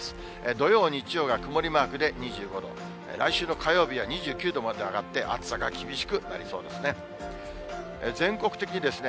土曜、日曜が曇りマークで２５度、来週の火曜日は２９度まで上がって、暑さが厳しくなりそうですね。